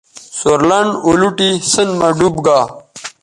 سور لنڈ اولوٹی سیئن مہ ڈوب گا